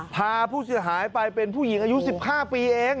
พาผู้เสียหายไปเป็นผู้หญิงอายุ๑๕ปีเอง